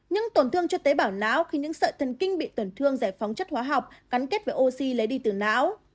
những tổn thương cho tế bào não khi những sợi thần kinh bị tổn thương giải phóng chất hóa học gắn kết với oxy lấy đi từ não